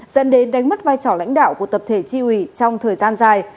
dẫn đến đánh mất vai trò lãnh đạo của tập thể tri ủy trong thời gian dài